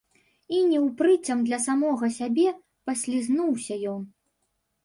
І неўпрыцям для самога сябе паслізнуўся ён.